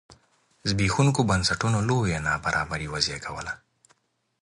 زبېښوونکو بنسټونو لویه نابرابري وزېږوله.